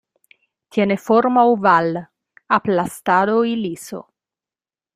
Tiene forma oval, aplastado y liso.